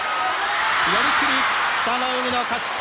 寄り切り、北の湖の勝ち。